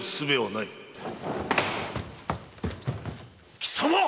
貴様！